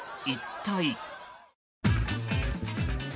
一体？